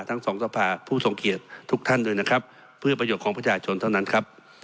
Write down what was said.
ทั้งสองสภาผู้ทรงเกียจทุกท่านด้วยนะครับเพื่อประโยชน์ของประชาชนเท่านั้นครับ